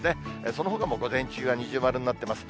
そのほかも午前中は二重丸になってます。